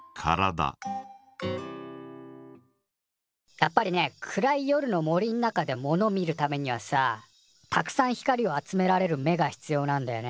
やっぱりね暗い夜の森ん中で物見るためにはさたくさん光を集められる目が必要なんだよね。